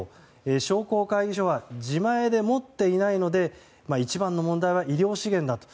商工会議所は自前で持っていないので一番の問題は医療資源だと。